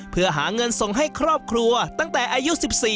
เพื่อหาเงินส่งให้ครอบครัวตั้งแต่อายุ๑๔